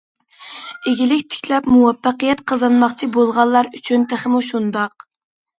ئىگىلىك تىكلەپ مۇۋەپپەقىيەت قازانماقچى بولغانلار ئۈچۈن تېخىمۇ شۇنداق.